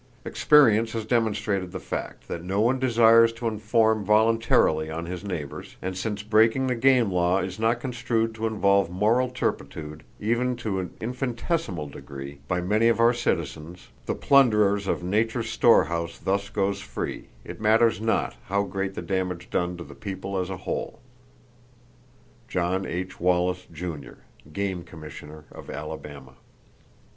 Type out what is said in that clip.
Experience has demonstrated the fact that no one desires to inform voluntarily on his neighbors, and since breaking the game law is not construed to involve moral turpitude, even to an infinitesimal degree, by many of our citizens, the plunderers of nature's storehouse thus go free, it matters not how great the damage done to the people as a whole."—(John H. Wallace, Jr., Game Commissioner of Alabama.)